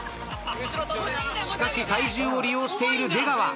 しかし体重を利用している出川。